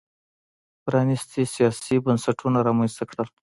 پرانیستي سیاسي بنسټونه رامنځته کړل.